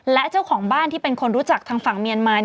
และเจ้าของบ้านที่เป็นคนรู้จักทางฝั่งเมียนมา